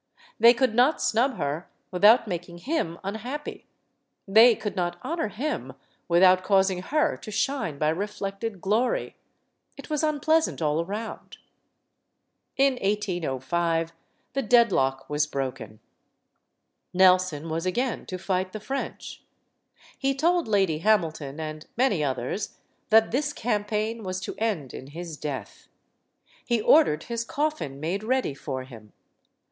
They could not snub her without making him unhappy; they could not honor him without causing her to shine by reflected glory. It was unpleasant all around. In 1 805 the deadlock was broken. Nelson was again to fight the French. He told Lady Hamilton and many others that this campaign was to end in his death. He ordered his coffin made ready for him.